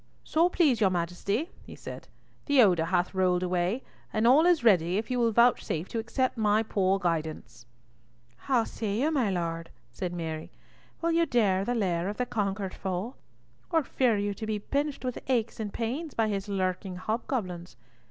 "So please your Majesty," he said, "the odour hath rolled away, and all is ready if you will vouchsafe to accept my poor guidance." "How say you, my Lord?" said Mary. "Will you dare the lair of the conquered foe, or fear you to be pinched with aches and pains by his lurking hobgoblins?